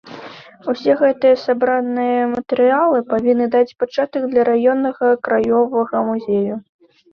Усе гэтыя сабраныя матэрыялы павінны даць пачатак для раённага краёвага музею.